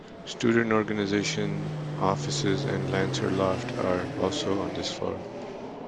Student organization offices and Lancer Loft are also on this floor.